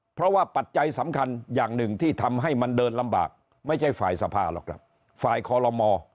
เพราะว่าปัจจัยสำคัญอย่างหนึ่งที่ทำให้มันเดินลำบากไม่ใช่ฝ่ายสภาหรอกครับฝ่ายคอลโลม